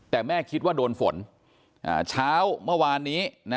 แต่แม่คิดว่าโดนฝนเช้าเมื่อวานนี้